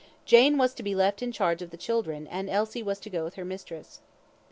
Jane was to be left in charge of the children, and Elsie was to go with her mistress.